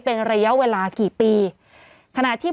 ผู้ต้องหาที่ขับขี่รถจากอายานยนต์บิ๊กไบท์